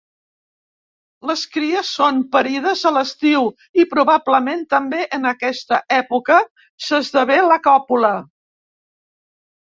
Les cries són parides a l'estiu i probablement també en aquesta època s'esdevé la còpula.